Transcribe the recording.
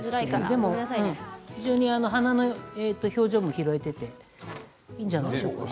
でも花の表情も拾えていていいんじゃないでしょうか。